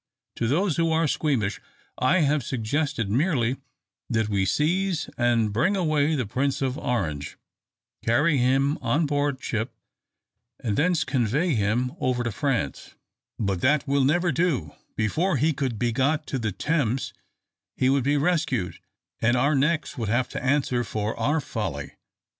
To those who are squeamish I have suggested merely that we seize and bring away the Prince of Orange, carry him on board ship, and thence convey him over to France: but that will never do; before he could be got to the Thames he would be rescued, and our necks would have to answer for our folly.